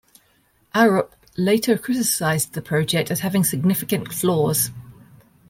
Arup later criticised the project as having significant flaws.